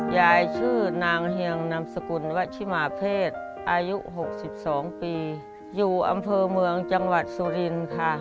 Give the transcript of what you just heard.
ยายชื่อนางเฮียงนามสกุลวัชิมาเพศอายุ๖๒ปีอยู่อำเภอเมืองจังหวัดสุรินค่ะ